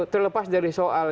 terlepas dari soal